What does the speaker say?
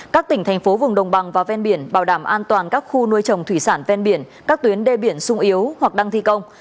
các tỉnh thành phố vùng đồng bằng và ven biển bảo đảm an toàn các khu nuôi trồng thủy sản ven biển các tuyến đê biển sung yếu hoặc đang thi công